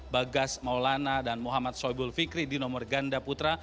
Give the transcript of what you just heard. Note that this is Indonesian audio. bagas maulana dan muhammad soebul fikri di nomor ganda putra